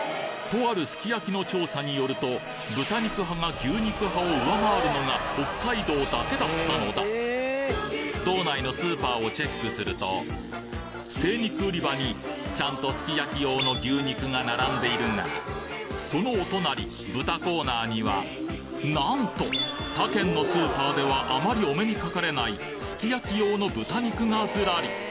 とあるすき焼きの調査によると豚肉派が牛肉派を上回るのが北海道だけだったのだ道内のスーパーをチェックすると精肉売り場にちゃんとすき焼き用の牛肉が並んでいるがそのお隣豚コーナーにはなんと他県のスーパーではあまりお目にかかれないすき焼き用の豚肉がズラリ！